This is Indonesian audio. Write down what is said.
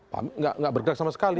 pak nggak bergerak sama sekali